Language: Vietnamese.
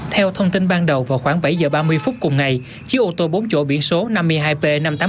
theo thông tin ban đầu vào khoảng bảy giờ ba mươi phút cùng ngày chiếc ô tô bốn chỗ biển số năm mươi hai p năm nghìn tám trăm bốn mươi một